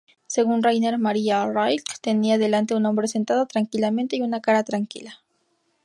Según Rainer Maria Rilke "tenía delante un hombre sentado tranquilamente y una cara tranquila.